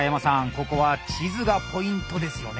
ここは地図がポイントですよね。